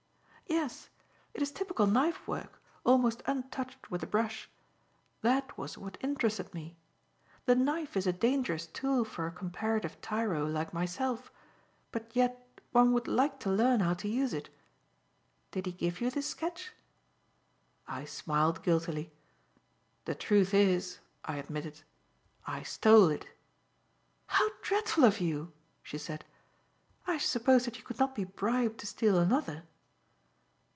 "Yes. It is typical knife work, almost untouched with the brush. That was what interested me. The knife is a dangerous tool for a comparative tyro like myself, but yet one would like to learn how to use it. Did he give you this sketch?" I smiled guiltily. "The truth is," I admitted, "I stole it." "How dreadful of you!" she said, "I suppose that you could not be bribed to steal another?"